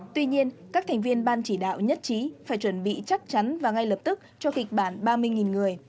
tuy nhiên các thành viên ban chỉ đạo nhất trí phải chuẩn bị chắc chắn và ngay lập tức cho kịch bản ba mươi người